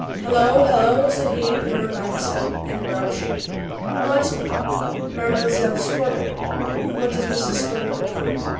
"Hello! hello!" said he, annoyed by this sudden interruption, "who wants me?" "Mme. Scorbitt." "What does Mrs. Scorbitt want?"